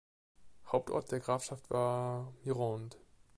Hauptort der Grafschaft war Mirande.